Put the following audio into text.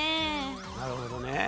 なるほどね。